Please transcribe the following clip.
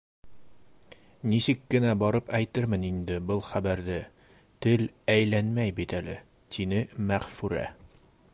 — Нисек кенә барып әйтермен инде был хәбәрҙе, тел әйләнмәй бит әле, — тине Мәғфүрә.